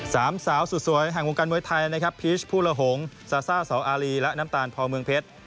สามสาวสุดสวยแห่งวงการมวยไทยนะครับพีชผู้ละหงซาซ่าสาวอารีและน้ำตาลพอเมืองเพชร